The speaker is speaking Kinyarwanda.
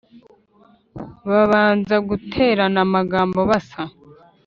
babanza guterana amagambo basa